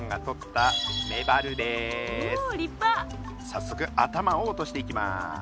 さっそく頭を落としていきます。